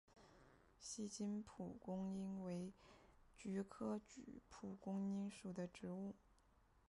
锡金蒲公英为菊科蒲公英属的植物。